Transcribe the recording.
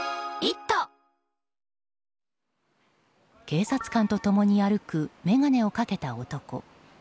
警察官と共に歩く眼鏡をかけた男。